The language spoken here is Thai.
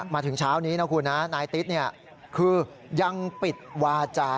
มาถึงเช้านี้นะคุณนะนายติ๊ดคือยังปิดวาจา